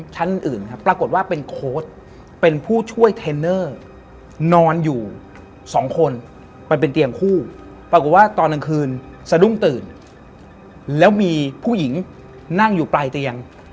คือไอ้เหล็กเนี่ยเวลาโดนขย่าวมันจะมีเสียง